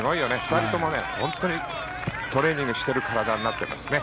２人とも本当にトレーニングしてる体になっていますね。